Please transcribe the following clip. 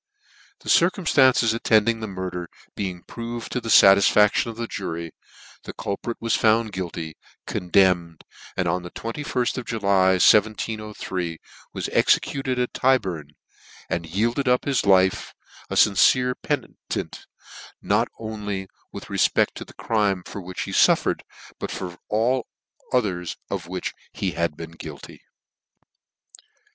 The circumftances attending the murder being proved to the fatisfaction of the jury, the culprit was found guilty, condemned, and on the aift of July, 1703, was executed at Tyburn, and yielded up his life a fincere penitent, not only with re fpec~t to the crime for which he fuffered, but for all others of which he had been guilty.